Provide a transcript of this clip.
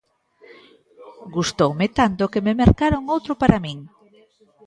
Gustoume tanto que me mercaron outro para min.